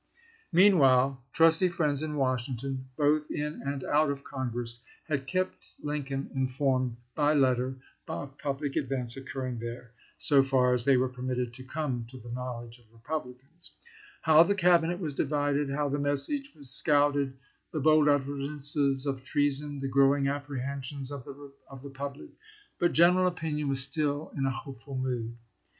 Meanwhile trusty friends in Washington, both in and out of Congress, had kept Lincoln informed by letter of public events occurring there, so far as they were permitted to come to the knowledge of Republicans : how the Cabinet was divided, how the message was scouted, the bold utterances of treason, the growing apprehensions of the public. But general opinion was still in a hopeful mood.